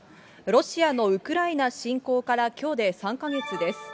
ロシアのウクライナ侵攻からきょうで３か月です。